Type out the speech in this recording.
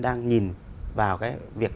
đang nhìn vào cái việc